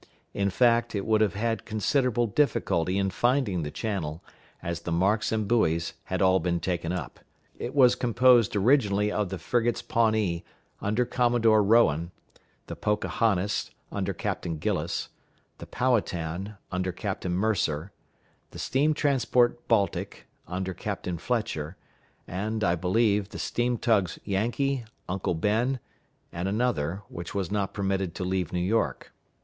In fact, it would have had considerable difficulty in finding the channel, as the marks and buoys had all been taken up. It was composed originally of the frigates Pawnee, under Commodore Rowan; the Pocahontas, under Captain Gillis; the Powhatan, under Captain Mercer; the steam transport Baltic, under Captain Fletcher; and, I believe, the steam tugs Yankee, Uncle Ben, and another, which was not permitted to leave New York.